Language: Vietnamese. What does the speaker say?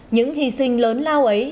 những hy sinh lớn lao ấy